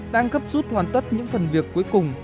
đang gấp rút hoàn tất những phần việc cuối cùng